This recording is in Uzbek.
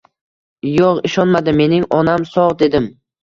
Yo'q, ishonmadim. Mening onam sog' dedim.